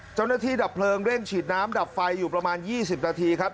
ดับเพลิงเร่งฉีดน้ำดับไฟอยู่ประมาณ๒๐นาทีครับ